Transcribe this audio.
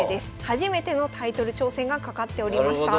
初めてのタイトル挑戦がかかっておりました。